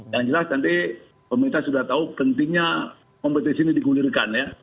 yang jelas nanti pemerintah sudah tahu pentingnya kompetisi ini digulirkan ya